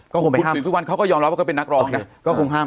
ก็คงไปห้ามคุณศรีทุกวันเขาก็ยอมร้องว่าเป็นนักร้องนะ